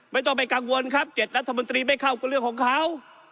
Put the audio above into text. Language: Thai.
ไม่ต้องไปกังวลครับ๗รัฐมนตรีไม่เข้าก็เรื่องของเขา